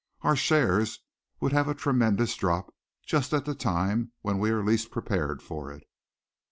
Our shares would have a tremendous drop, just at the time when we are least prepared for it."